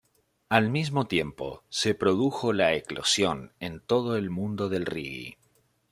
Al mismo tiempo, se produjo la eclosión, en todo el mundo del reggae.